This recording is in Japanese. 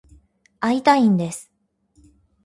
会いたいんです。